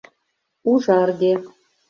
Ужарге